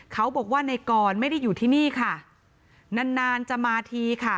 เขาบอกว่าในกรไม่ได้อยู่ที่นี่ค่ะนานนานจะมาทีค่ะ